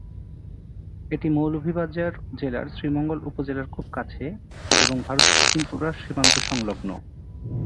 এটি মৌলভীবাজার জেলার শ্রীমঙ্গল উপজেলার খুব কাছে এবং ভারতের ত্রিপুরা সীমান্ত সংলগ্ন।